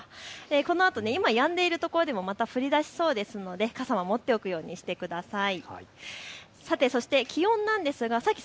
このあと今、やんででいるところでもまた降りだしそうですので傘は持っておくようにしてください。